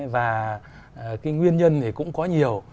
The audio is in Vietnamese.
và cái nguyên nhân thì cũng có nhiều